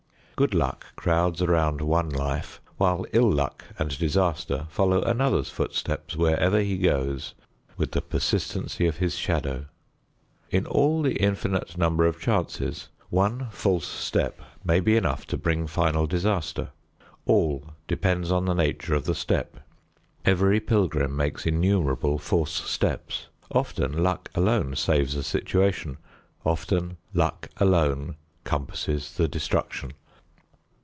Good luck crowds around one life, while ill luck and disaster follow another's footsteps wherever he goes with the persistency of his shadow. In all the infinite number of chances one false step may be enough to bring final disaster. All depends on the nature of the step. Every pilgrim makes innumerable false steps; often luck alone saves the situation; often luck alone compasses the destruction.